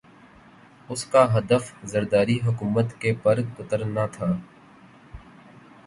اس کا ہدف زرداری حکومت کے پر کترنا تھا۔